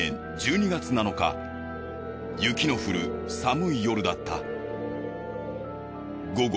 雪の降る寒い夜だった。